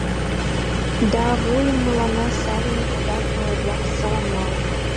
Да вуйым мыланна савеныт Одар куэ-влак, саламлал.